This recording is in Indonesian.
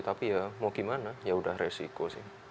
tapi ya mau gimana ya udah resiko sih